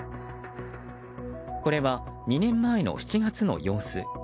これは２年前の７月の様子。